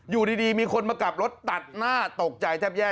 อยู่ดีมีคนมากลับรถตัดหน้าตกใจแทบแย่